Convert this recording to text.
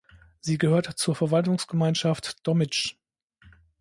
Sie gehört zur Verwaltungsgemeinschaft Dommitzsch.